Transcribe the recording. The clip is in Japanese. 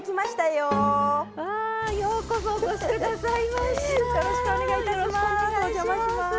よろしくお願いします。